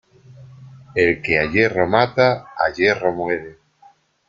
El que a hierro mata a hierro muere.